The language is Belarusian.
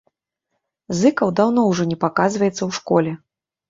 Зыкаў даўно ўжо не паказваецца ў школе.